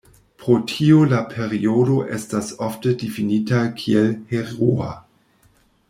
Pro tio la periodo estas ofte difinita kiel "heroa".